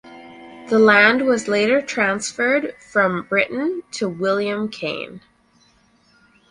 The land was later transferred from Brittain to William Cain.